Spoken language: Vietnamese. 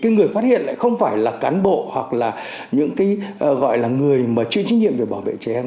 người phát hiện lại không phải là cán bộ hoặc là những cái gọi là người chuyên trách nhiệm về bảo vệ trẻ em